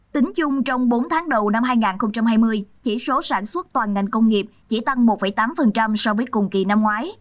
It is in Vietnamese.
tính chung trong bốn tháng đầu năm hai nghìn hai mươi chỉ số sản xuất toàn ngành công nghiệp chỉ tăng một tám so với cùng kỳ năm ngoái